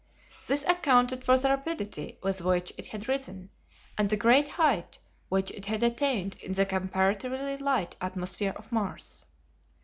This accounted for the rapidity with which it had risen, and the great height which it had attained in the comparatively light atmosphere of Mars.